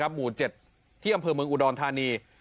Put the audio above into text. หมู่๗ที่อำเภอเมืองอุดรธานี